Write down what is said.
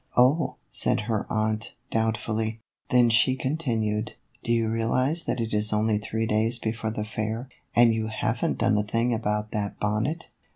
" Oh !" said her aunt, doubtfully. Then she con tinued, " Do you realize that it is only three days before the fair, and you have n't done a thing about that bonnet